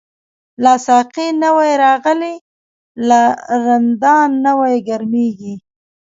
لاسا قی نوی راغلی، لا رندان نوی ګرمیږی